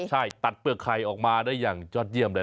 ใช่ตัดเปลือกไข่ออกมาได้อย่างยอดเยี่ยมเลย